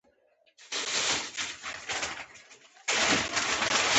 نن آسمان شین دی